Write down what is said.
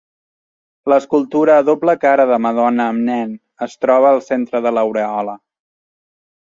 L'escultura a doble cara de Madonna amb nen es troba al centre de l'aureola.